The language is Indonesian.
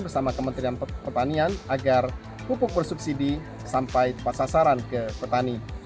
bersama kementerian pertanian agar pupuk bersubsidi sampai tepat sasaran ke petani